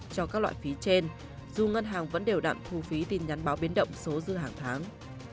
cho các loại phí trên dù ngân hàng vẫn đều đặn thu phí tin nhắn báo biến động số dư hàng tháng